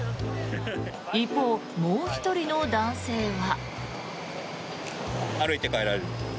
一方、もう１人の男性は。